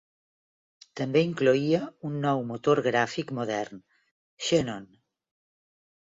També incloïa un nou motor gràfic modern, Xenon.